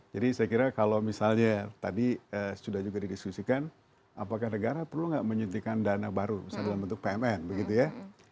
jadi saya kira kalau misalnya tadi sudah juga didiskusikan apakah negara perlu tidak menyuntikkan dana baru misalnya dalam bentuk pmn begitu ya